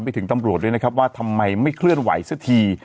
ถึงตำรวจด้วยนะครับว่าทำไมไม่เคลื่อนไหวสักที